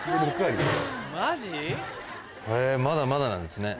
へぇまだまだなんですね。